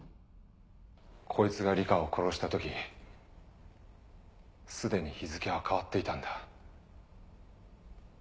こいつが里香を殺した時既に日付は変わっていたんだ。